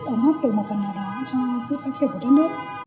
ổn hợp được một phần nào đó cho sự phát triển của đất nước